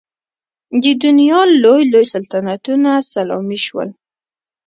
د دنیا لوی لوی سلطنتونه سلامي شول.